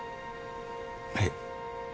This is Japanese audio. はい。